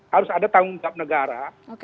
harus ada tanggung jawab negara